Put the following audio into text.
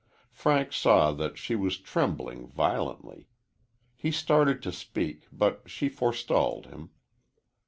Frank saw that she was trembling violently. He started to speak, but she forestalled him.